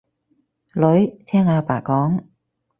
女，聽阿爸講